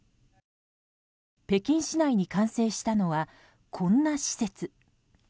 北京市内に完成したのはこんな施設。